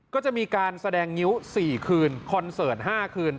ก็จะมีการแสดงงิ้ว๔คืนคอนเสิร์ต๕คืน